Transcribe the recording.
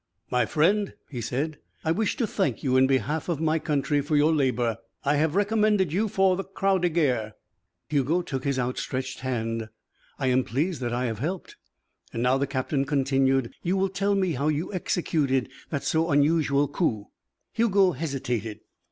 "My friend," he said, "I wish to thank you in behalf of my country for your labour. I have recommended you for the Croix de Guerre." Hugo took his outstretched hand. "I am pleased that I have helped." "And now," the captain continued, "you will tell me how you executed that so unusual coup." Hugo hesitated.